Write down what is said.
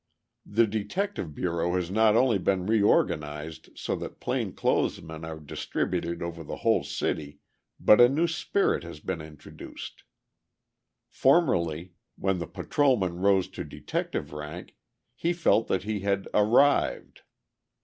The Detective Bureau has not only been reorganized so that plain clothes men are distributed over the whole city, but a new spirit has been introduced. Formerly, when the patrolman rose to detective rank, he felt that he had "arrived."